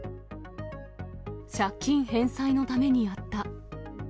借金返済のためやった。